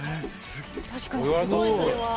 確かにすごいそれは。